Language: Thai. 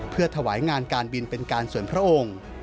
เพื่อถวายงานการบินเป็นการส่วนพระองค์